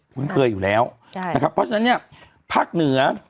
คุ้นเคยอยู่แล้วใช่นะครับเพราะฉะนั้นเนี่ยภาคเหนือ